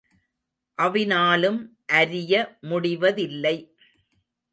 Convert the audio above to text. அவினாலும் அரிய முடிவதில்லை.